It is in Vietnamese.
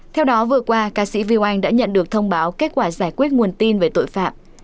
theo đó vừa qua ca sĩ viu anh đã nhận được thông báo kết quả giải quyết nguồn tin về tội phạm